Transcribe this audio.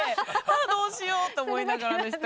どうしようと思いながらでした。